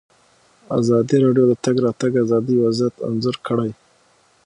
ازادي راډیو د د تګ راتګ ازادي وضعیت انځور کړی.